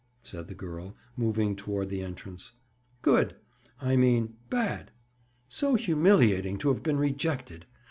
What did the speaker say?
said the girl, moving toward the entrance. "Good! I mean, bad! So humiliating to have been rejected!